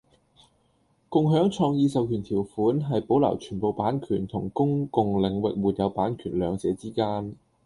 共享創意授權條款係保留全部版權同公共領域沒有版權兩者之間